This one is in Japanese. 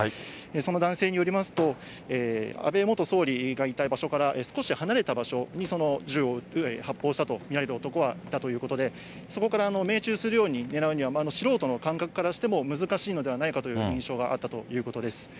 その男性によりますと、安倍元総理がいた場所から少し離れた場所に、その銃を発砲したと見られる男はいたということで、そこから命中するように狙うには、素人の感覚からしても、難しいのではないかという印象があったということです。